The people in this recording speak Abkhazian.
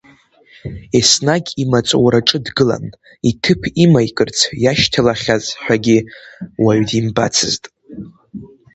Еснагь имаҵураҿы дгылан, иҭыԥ имаикырц иашьҭалахьаз ҳәагьы уаҩ димбацызт.